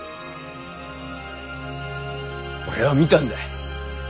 俺は見たんだい。